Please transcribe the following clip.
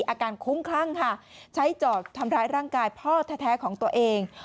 อาการคุ้มคลั่งค่ะใช้จอบทำร้ายร่างกายพ่อแท้ของตัวเอง